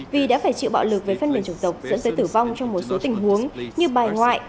vì đã phải chịu bạo lực với phân mềm chủng tộc dẫn tới tử vong trong một số tình huống như bài ngoại